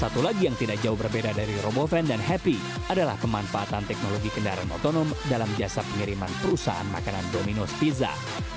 satu lagi yang tidak jauh berbeda dari romoven dan happy adalah pemanfaatan teknologi kendaraan otonom dalam jasa pengiriman perusahaan makanan dominos pizza